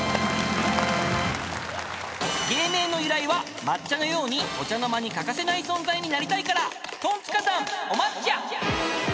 ［芸名の由来は抹茶のようにお茶の間に欠かせない存在になりたいから］